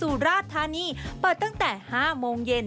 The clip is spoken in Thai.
สุราชธานีเปิดตั้งแต่๕โมงเย็น